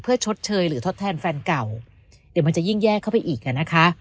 เพื่อชดเชยหรือทดแทนแฟนเก่าเดี๋ยวมันจะยิ่งแยกเข้าไปอีกอ่ะนะคะ